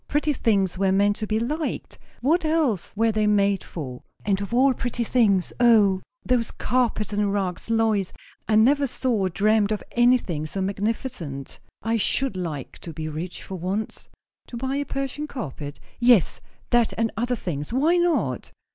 Pretty things were meant to be liked. What else were they made for? And of all pretty things O, those carpets and rugs! Lois, I never saw or dreamed of anything so magnificent. I should like to be rich, for once!" "To buy a Persian carpet?" "Yes. That and other things. Why not?"